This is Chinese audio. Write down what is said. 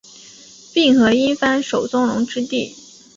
并河因幡守宗隆之弟。